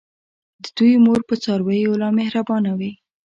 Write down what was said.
د دوی مور په څارویو لا مهربانه وي.